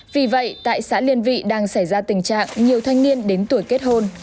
vì vậy tại xã liên vị đang xảy ra tình trạng nhiều thanh niên đến tuổi kết hôn